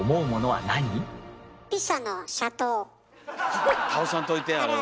はい。